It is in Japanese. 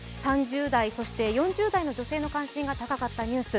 ３０台、そして４０代の女性の関心が高かったニュース。